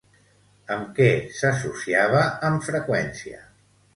Amb què s'associava amb freqüència?